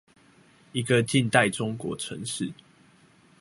一個近代中國城市